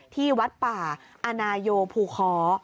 ที่วัดป่าอนายโยภูคอ